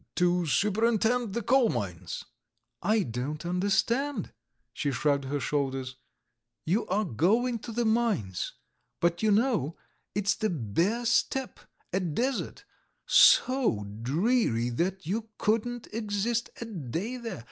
To superintend the coal mines." "I don't understand!" she shrugged her shoulders. "You are going to the mines. But you know, it's the bare steppe, a desert, so dreary that you couldn't exist a day there!